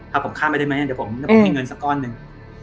พาผมข้ามไปได้มั้ยเดี๋ยวผมมีเงินสักก้อนหนึ่ง